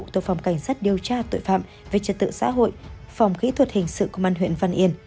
tổ phòng cảnh sát điều tra tội phạm về trật tự xã hội phòng kỹ thuật hình sự công an huyện văn yên